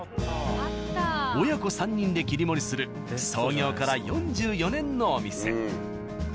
親子３人で切り盛りする創業から４４年のお店。